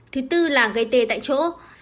thứ bốn là gây tê tại chỗ